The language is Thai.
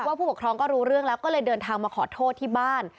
ผู้ปกครองก็รู้เรื่องแล้วก็เลยเดินทางมาขอโทษที่บ้าน